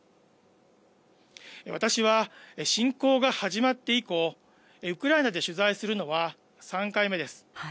私は侵攻が始まって以降、ウクライナで取材するのは３回目です。